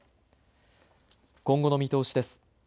今後の見通しです。